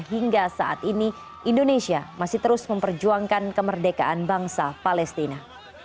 hingga saat ini indonesia masih terus memperjuangkan kemerdekaan bangsa palestina